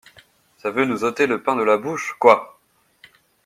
Ça veut nous ôter le pain de la bouche, quoi!